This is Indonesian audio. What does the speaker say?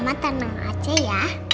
ma tenang aja